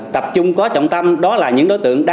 tập trung có trọng tâm đó là những đối tượng